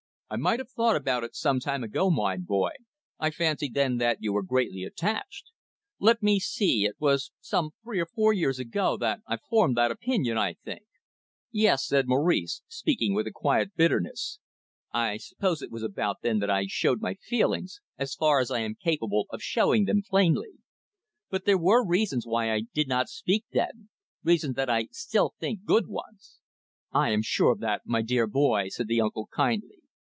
"I might have thought about it some time ago, my boy. I fancied then that you were greatly attached. Let me see, it was some three or four years ago that I formed that opinion, I think." "Yes," said Maurice, speaking with a quiet bitterness. "I suppose it was about then that I showed my feelings, as far as I am capable of showing them, plainly. But there were reasons why I did not speak then, reasons that I still think good ones." "I am sure of that, my dear boy," said the uncle kindly.